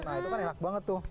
nah itu kan enak banget tuh